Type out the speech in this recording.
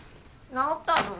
直ったの。